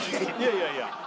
いやいや